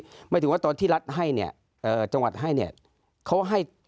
หมายถึงว่าตอนที่รัฐให้เนี่ยจังหวัดให้เนี่ยเขาให้